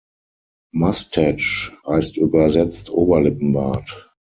Mustache heißt übersetzt Oberlippenbart.